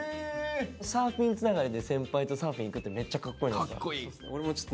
サーフィンつながりで先輩とサーフィン行くってめっちゃかっこええ。